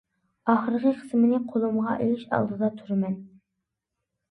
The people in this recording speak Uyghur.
ئاخىرقى قىسمىنى قولۇمغا ئېلىش ئالدىدا تۇرىمەن.